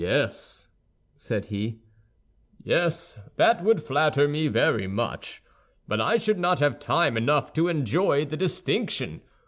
"Yes," said he, "yes, that would flatter me very much; but I should not have time enough to enjoy the distinction.